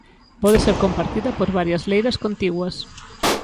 Pode ser compartida por varias leiras contiguas.